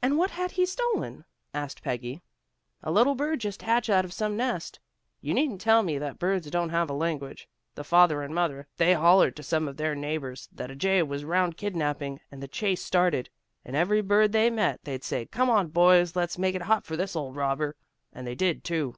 "And what had he stolen?" asked Peggy. "A little bird just hatched out of some nest. You needn't tell me that birds don't have a language. The father and mother, they hollered to some of their neighbors that a jay was 'round kidnapping, and the chase started. And every bird they met, they'd say, 'Come on, boys! Let's make it hot for this old robber.' And they did too."